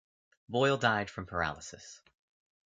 Boyle died from paralysis.